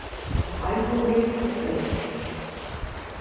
Doch ein Problem gibt es.